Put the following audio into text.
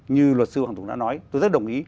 như luật sư hoàng tùng đã nói tôi rất đồng ý